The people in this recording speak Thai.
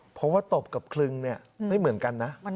เพราะว่าตบกับคลึงเนี่ยไม่เหมือนกันนะ